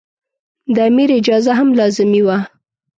د امیر اجازه هم لازمي وه.